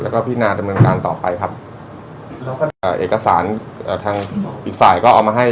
แล้วก็พินาดำเนินการต่อไปครับแล้วก็เอกสารเอ่อทางอีกฝ่ายก็เอามาให้